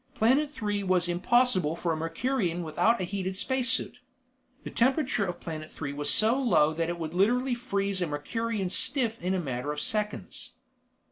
Planet Three was impossible for a Mercurian without a heated space suit. The temperature of Planet Three was so low that it would literally freeze a Mercurian stiff in a matter of seconds.